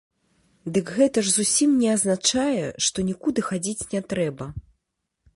Дык гэта ж зусім не азначае, што нікуды хадзіць не трэба.